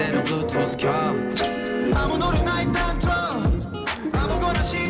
เอ็สเตอร์นะเพราะว่าเต้นต้นเลยไหม